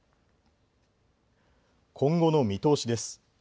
今後の見通しです。